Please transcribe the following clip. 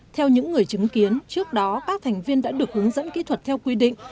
theo những người chứng kiến trước đó các thành viên đã được hướng dẫn kỹ thuật theo quy định